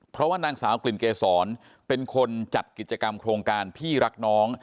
เพราะว่านางสาวกลิ่นเกษรเป็นคนจัดกิจกรรมโครงการพี่รักน้อง